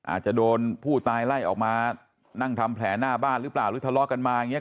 อาจจะโดนผู้ตายไล่ออกมานั่งทำแผลหน้าบ้านหรือเปล่าหรือทะเลาะกันมาอย่างนี้